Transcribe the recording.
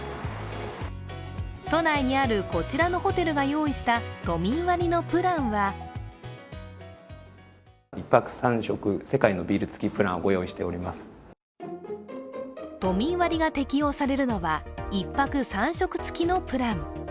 都内にあるこちらのホテルが用意した都民割のプランは都民割が適用されるのは１泊３食付きのプラン。